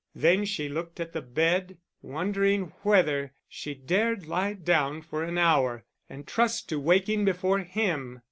Then she looked at the bed, wondering whether she dared lie down for an hour, and trust to waking before him.